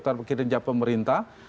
terhadap kinerja pemerintah